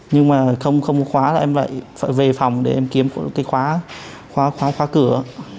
nhưng mà không có khóa là em vậy phải về phòng để em kiếm cái khóa khóa cửa